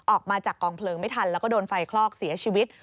ออกมาจากกองเพลิงไม่ทันแล้วก็โดนไฟคลอกเสียชีวิต